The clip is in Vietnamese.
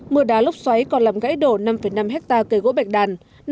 mưa đá lốc xoáy còn làm gãy đổ năm năm hectare cây gỗ bạch đàn